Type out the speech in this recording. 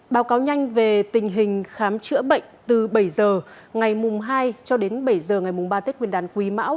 báo cáo nhanh về tình hình khám chữa bệnh từ bảy h ngày mùng hai cho đến bảy h ngày mùng ba tết nguyên đán quý mão